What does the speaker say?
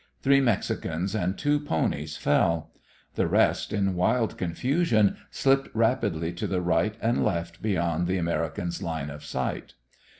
Three Mexicans and two ponies fell. The rest in wild confusion slipped rapidly to the right and left beyond the Americans' line of sight.